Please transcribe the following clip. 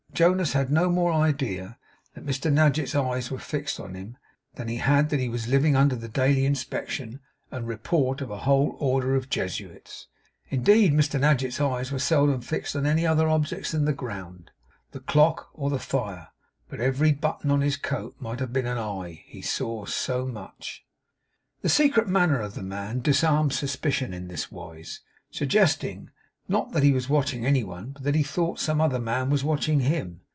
Jonas had no more idea that Mr Nadgett's eyes were fixed on him, than he had that he was living under the daily inspection and report of a whole order of Jesuits. Indeed Mr Nadgett's eyes were seldom fixed on any other objects than the ground, the clock, or the fire; but every button on his coat might have been an eye, he saw so much. The secret manner of the man disarmed suspicion in this wise; suggesting, not that he was watching any one, but that he thought some other man was watching him.